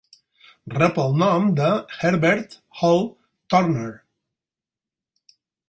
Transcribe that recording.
Rep el nom de Herbert Hall Turner.